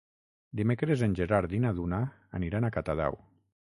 Dimecres en Gerard i na Duna aniran a Catadau.